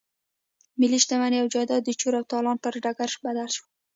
ملي شتمني او جايداد د چور او تالان پر ډګر بدل شو.